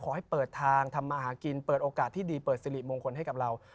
ขอให้เปิดทางทำมาหากินเปิดโอกาสที่ดีเปิดสิริมงคลให้กับเรา